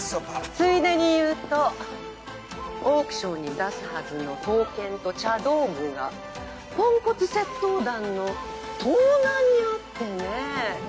ついでに言うとオークションに出すはずの刀剣と茶道具がポンコツ窃盗団の盗難に遭ってね。